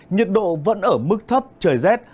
nhiệt độ vẫn ở mức thấp trời rét